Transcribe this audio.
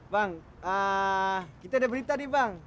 bang kita ada berita nih bang